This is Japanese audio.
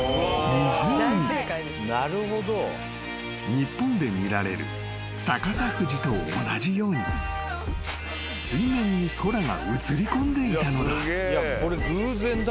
［日本で見られる逆さ富士と同じように水面に空が映りこんでいたのだ］